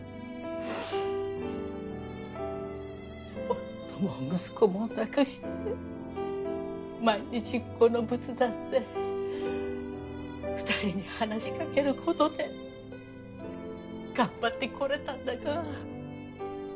夫も息子も亡くして毎日この仏壇で２人に話し掛けることで頑張ってこれたんだが。